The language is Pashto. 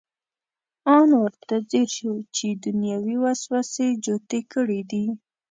ان ورته ځیر شو چې دنیوي وسوسې جوتې کړې دي.